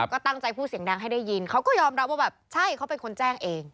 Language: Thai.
ก็ตั้งใจพูดเสียงดังให้ได้ยินเขาก็ยอมรับว่าแบบใช่เขาเป็นคนแจ้งเอง